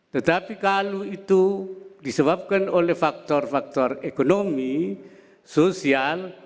tetapi kalau itu disebabkan oleh faktor faktor ekonomi sosial